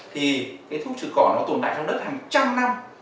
thì cái thuốc trừ cỏ nó tồn tại trong đất hàng trăm năm